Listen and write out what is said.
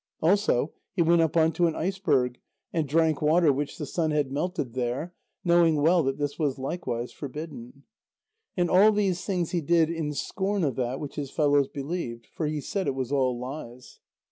Also he went up on to an iceberg and drank water which the sun had melted there, knowing well that this was likewise forbidden. And all these things he did in scorn of that which his fellows believed. For he said it was all lies.